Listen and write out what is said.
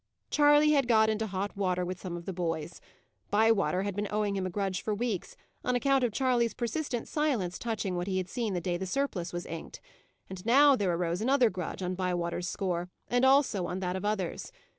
Charley had got into hot water with some of the boys. Bywater had been owing him a grudge for weeks, on account of Charley's persistent silence touching what he had seen the day the surplice was inked; and now there arose another grudge on Bywater's score, and also on that of others.